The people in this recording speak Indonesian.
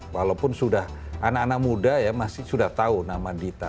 walaupun sudah anak anak muda ya masih sudah tahu nama dita